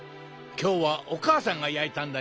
きょうはおかあさんがやいたんだよ。